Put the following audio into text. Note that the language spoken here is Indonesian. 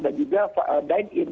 dan juga dine in